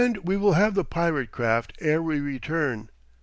We will have the pirate craft ere we return.